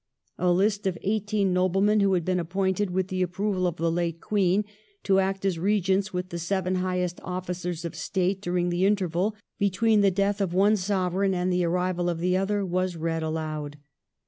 A list of eighteen noblemen who had been appointed, with the approval of the late Queen, to act as Eegents with the seven highest officers of State during the interval between the death of one Sovereign and the arrival of the other, was read aloud.